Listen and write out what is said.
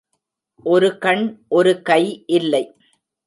ஒரு கண், ஒரு கை இல்லை.